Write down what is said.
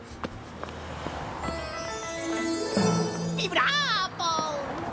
ビブラーボ！